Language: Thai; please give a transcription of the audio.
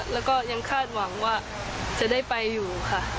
แล้วก็ยังคาดหวังว่าจะได้ไปอยู่ค่ะ